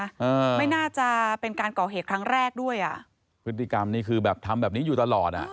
อ่าไม่น่าจะเป็นการก่อเหตุครั้งแรกด้วยอ่ะพฤติกรรมนี่คือแบบทำแบบนี้อยู่ตลอดอ่ะ